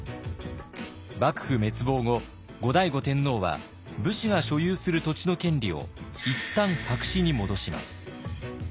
幕府滅亡後後醍醐天皇は武士が所有する土地の権利を一旦白紙に戻します。